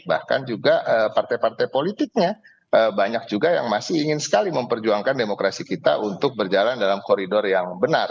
bahkan juga partai partai politiknya banyak juga yang masih ingin sekali memperjuangkan demokrasi kita untuk berjalan dalam koridor yang benar